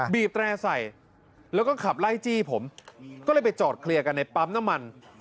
บีบแตร่ใส่แล้วก็ขับไล่จี้ผมก็เลยไปจอดเคลียร์กันในปั๊มน้ำมัน